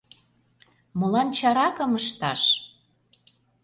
Молан чаракым ышташ?